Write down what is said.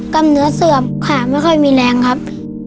ำเนื้อเสือบขาไม่ค่อยมีแรงครับ